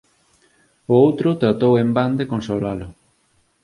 O outro tratou en van de consolalo.